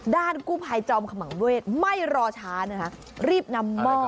ด้านกู้ภัยจอมขมังเวทไม่รอช้านะคะรีบนำหม้อ